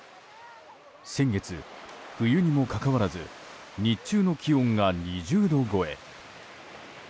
先月、冬にもかかわらず日中の気温が２０度超え。